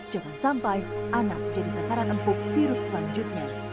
jangan sampai anak jadi sasaran empuk virus selanjutnya